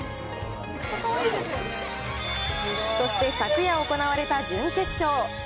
そして昨夜行われた準決勝。